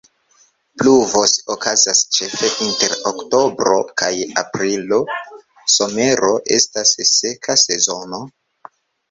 Pluvoj okazas ĉefe inter oktobro kaj aprilo; somero estas seka sezono.